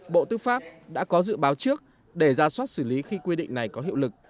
bộ tư pháp đã có dự báo trước để ra soát xử lý khi quy định này có hiệu lực